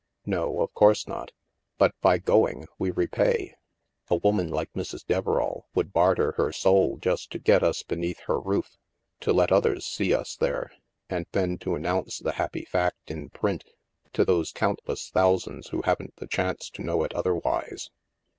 " No, of course not. But by going, we repay. A woman like Mrs. Deverall would barter her soul just to get us beneath her roof, to let others see us there, and then to announce the happy fact in print to those countless thousands who haven't the chance to know it otherwise.